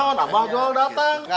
apa jual datang